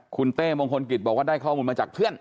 คุณเต้มงคลกิจบอกว่าได้ข้อมูลมาจากเพื่อน